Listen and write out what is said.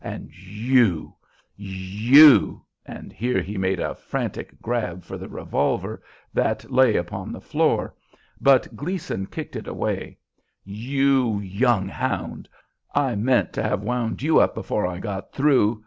And you you" and here he made a frantic grab for the revolver that lay upon the floor, but Gleason kicked it away "you, young hound, I meant to have wound you up before I got through.